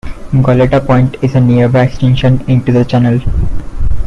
Goleta Point is a nearby extension into the channel.